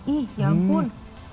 ih ya ampun